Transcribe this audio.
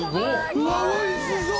うわおいしそう！